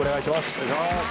大吉）お願いします。